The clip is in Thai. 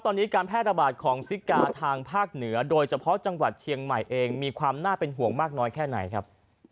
ตอนนี้การแพร่ระบาดของซิกาทางภาคเหนือโดยเฉพาะจังหวัดเชียงใหม่เองมีความน่าเป็นห่วงมากน้อยแค่ไหนครับ